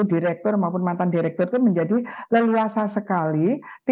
direktur maupun mantan direktur itu menjadi leluasa sekali